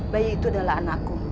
bayi itu adalah anakku